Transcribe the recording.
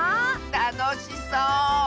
たのしそう！